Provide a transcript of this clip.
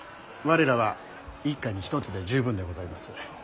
我らは一家に一つで十分でございます。